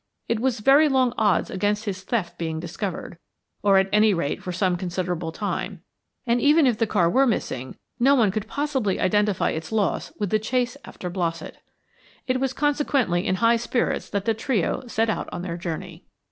It was very long odds against his theft being discovered, at any rate, for some considerable time; and even if the car were missing, no one could possibly identify its loss with the chase after Blossett. It was consequently in high spirits that the trio set out on their journey.